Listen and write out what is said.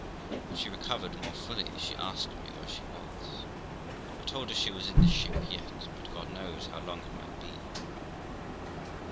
When she recovered more fully, she asked me where she was. I told her she was in the ship yet, but God knows how long it might be.